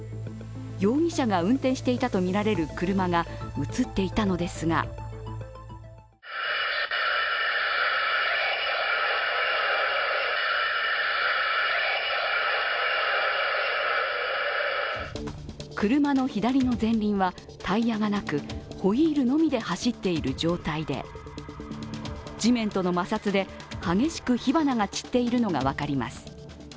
容疑者が運転していたとみられる車が映っていたのですが車の左の前輪はタイヤがなく、ホイールのみで走っている状態で地面との摩擦で激しく火花が散っているのが分かります。